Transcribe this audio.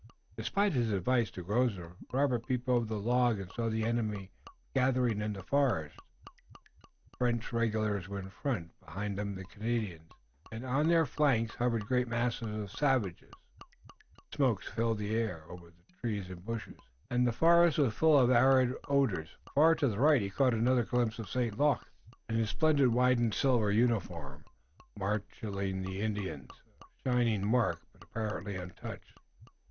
Despite his advice to Grosvenor, Robert peeped over the log and saw the enemy gathering in the forest. The French regulars were in front, behind them the Canadians, and on the flanks hovered great masses of savages. Smoke floated over trees and bushes, and the forest was full of acrid odors. Far to the right he caught another glimpse of St. Luc in his splendid white and silver uniform, marshaling the Indians, a shining mark, but apparently untouched.